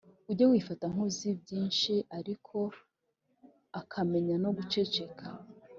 Ujye wifata nk’uzi byinshi, ariko akamenya no guceceka.